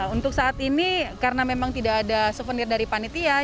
untuk saat ini karena memang tidak ada souvenir dari panitia